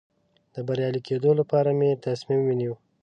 د بریالي کېدو لپاره مې تصمیم ونیو.